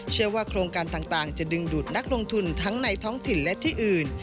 เชื่อว่าโครงการต่างจะดึงดูดนักลงทุนทั้งในท้องถิ่นและที่อื่น